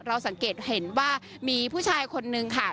เราสังเกตเห็นว่ามีผู้ชายคนนึงค่ะ